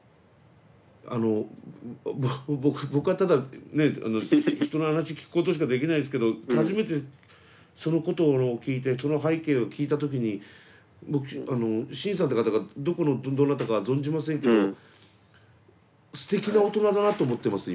あの僕はただね人の話聞くことしかできないんですけど初めてそのことを聞いてその背景を聞いた時に僕シンさんって方がどこのどなたかは存じませんけどすてきな大人だなと思ってます